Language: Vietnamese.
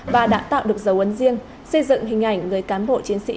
và đã tạo được dấu ấn riêng xây dựng hình ảnh người cán bộ chiến sĩ